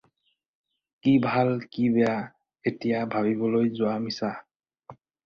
কি ভাল, কি বেয়া এতিয়া ভাবিবলৈ যোৱা মিছা।